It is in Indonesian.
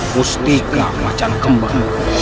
mustika macan kembal